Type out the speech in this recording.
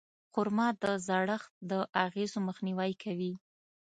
خرما د زړښت د اغېزو مخنیوی کوي.